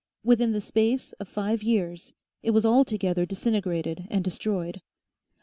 Within the space of five years it was altogether disintegrated and destroyed.